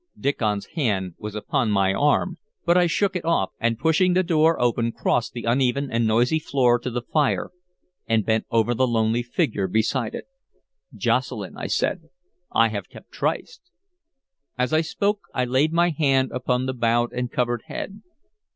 Diccon's hand was upon my arm, but I shook it off, and pushing the door open crossed the uneven and noisy floor to the fire, and bent over the lonely figure beside it. "Jocelyn," I said, "I have kept tryst." As I spoke, I laid my hand upon the bowed and covered head.